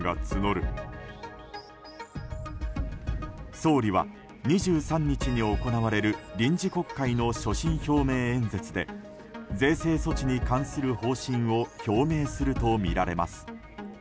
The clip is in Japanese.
総理は２３日に行われる臨時国会の所信表明演説で税制措置に関する方針を表明するとみられます。